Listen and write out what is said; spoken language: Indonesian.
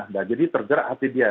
nah jadi tergerak hati dia